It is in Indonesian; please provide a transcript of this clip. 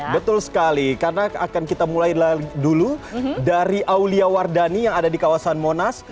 betul sekali karena akan kita mulai dulu dari aulia wardani yang ada di kawasan monas